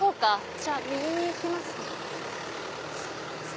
じゃあ右に行きますか。